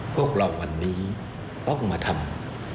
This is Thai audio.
พวกเราวันนี้ต้องมาทำ